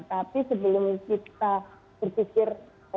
tapi sebelum kita berpikir